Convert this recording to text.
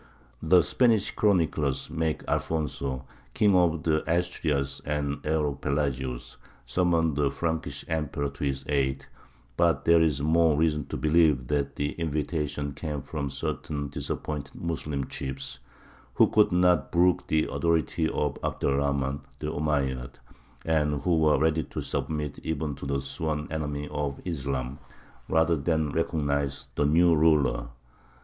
The Spanish chroniclers make Alfonso, King of the Asturias and heir of Pelagius, summon the Frankish emperor to his aid; but there is more reason to believe that the invitation came from certain disappointed Moslem chiefs, who could not brook the authority of Abd er Rahmān the Omeyyad, and who were ready to submit even to the sworn enemy of Islam, rather than recognize the new ruler.